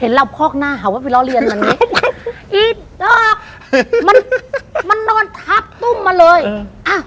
เห็นเราคอกหน้าเขาว่าไปเล่าเรียนมันไงมันมันมันนอนทับตุ้มมาเลยอ่ะ